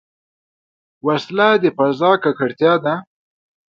وسله د فضا ککړتیا ده